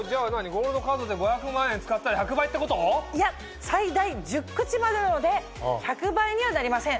ゴールドカードで５００万円使ったら１００倍ってこと⁉いや最大１０口までなので１００倍にはなりません。